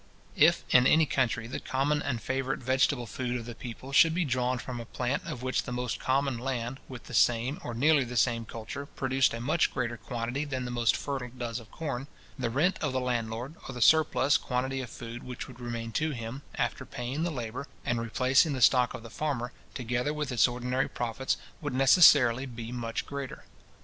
If, in any country, the common and favourite vegetable food of the people should be drawn from a plant of which the most common land, with the same, or nearly the same culture, produced a much greater quantity than the most fertile does of corn; the rent of the landlord, or the surplus quantity of food which would remain to him, after paying the labour, and replacing the stock of the farmer, together with its ordinary profits, would necessarily be much greater.